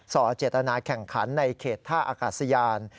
่อเจตนาแข่งขันในเขตท่าอากาศยาน